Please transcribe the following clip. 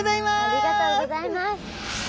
ありがとうございます。